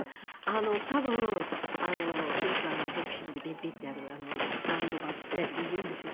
多分よくボクシングでビッビッてやるサンドバッグ？っていうんでしょうか。